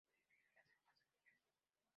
Prefiere las aguas frías.